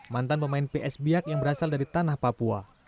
mantan pemain ps biak yang berasal dari tanah papua